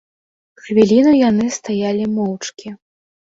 Хвіліну яны стаялі моўчкі.